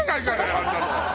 あんなの。